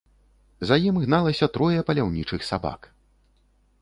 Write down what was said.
За ім гналася трое паляўнічых сабак.